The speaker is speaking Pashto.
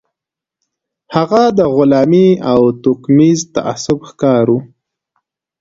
هغه د غلامۍ او توکميز تعصب ښکار و.